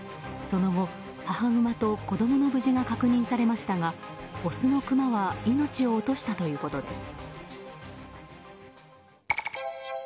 その後、母グマと子供の無事が確認されましたがオスのクマは命を落としたということです。